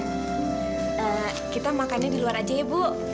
kita makannya di luar aja ya bu